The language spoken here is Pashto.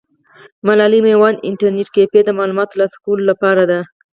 ملالۍ میوندي انټرنیټ کیفې د معلوماتو ترلاسه کولو لپاره ده.